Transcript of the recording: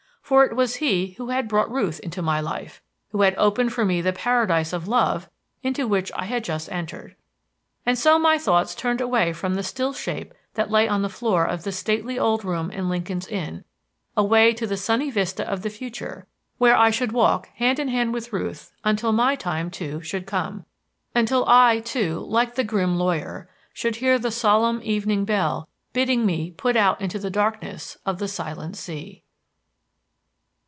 For it was he who had brought Ruth into my life; who had opened for me the Paradise of Love into which I had just entered. And so my thoughts turned away from the still shape that lay on the floor of the stately old room in Lincoln's Inn, away to the sunny vista of the future, where I should walk hand in hand with Ruth until my time, too, should come; until I, too, like the grim lawyer, should hear the solemn evening bell bidding me put out into the darkness of the silent sea.